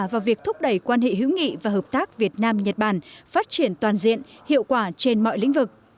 vào việc thúc đẩy quan hệ hữu nghị và hợp tác việt nam nhật bản phát triển toàn diện hiệu quả trên mọi lĩnh vực